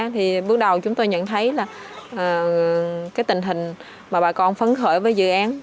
thì bước đầu chúng tôi nhận thấy là cái tình hình mà bà con phấn khởi với dự án